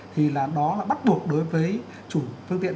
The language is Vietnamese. thì là đó là bắt buộc đối với chủ phương tiện